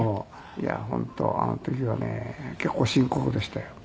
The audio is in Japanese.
いや本当あの時はね結構深刻でしたよ。